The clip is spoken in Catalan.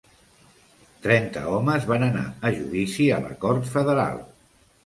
Trenta homes van anar a judici a la cort federal.